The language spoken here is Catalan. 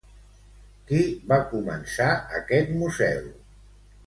Qui va començar aquest museu?